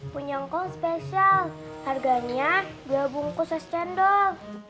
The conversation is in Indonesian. punya hongkong spesial harganya dua bungkus es cendol